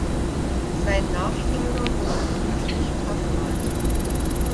Sein Nachfolger wurde Friedrich Paffrath.